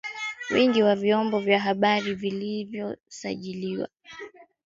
wingi wa vyombo vya habari vilivyosajiliwa siyo ishara kwamba kuna uhuru wa habari